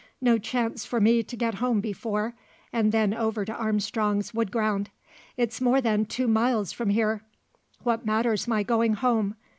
No chance for me to get home before, and then over to Armstrong's wood ground. It's more than two miles from here. What matters my going home?